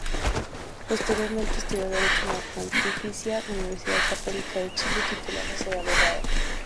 Posteriormente estudió derecho en la Pontificia Universidad Católica de Chile, titulándose de abogado.